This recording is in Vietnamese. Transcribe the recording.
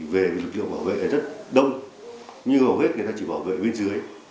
về lực lượng bảo vệ này rất đông nhưng hầu hết người ta chỉ bảo vệ bên dưới